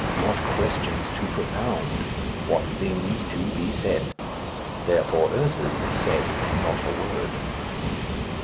What questions to propound! What things to be said. Therefore Ursus said not a word.